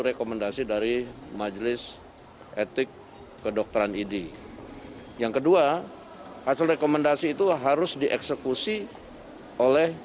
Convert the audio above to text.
rekomendasi dari majelis etik kedokteran idi yang kedua hasil rekomendasi itu harus dieksekusi oleh